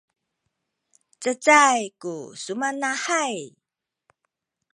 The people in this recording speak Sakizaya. cacay ku sumanahay